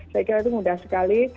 saya kira itu mudah sekali